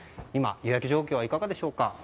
予約状況はいかがでしょうか？